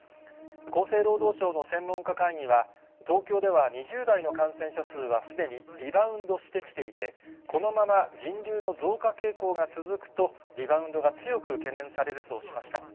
厚生労働省の専門家会議は、東京では２０代の感染者数はすでにリバウンドしてきていて、このまま人流の増加傾向が続くと、リバウンドが強く懸念されるとしました。